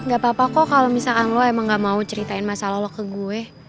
gak apa apa kok kalau misalkan lo emang gak mau ceritain masa lo ke gue